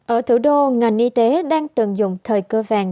ở thủ đô ngành y tế đang tường dùng thời cơ vàng